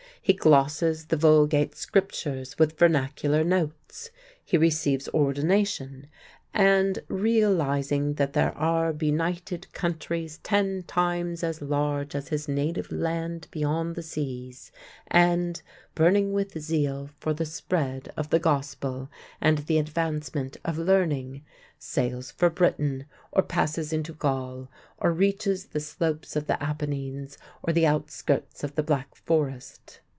He glosses the Vulgate Scriptures with vernacular notes. He receives ordination, and, realizing that there are benighted countries ten times as large as his native land beyond the seas, and, burning with zeal for the spread of the Gospel and the advancement of learning, sails for Britain, or passes into Gaul, or reaches the slopes of the Apennines, or the outskirts of the Black Forest.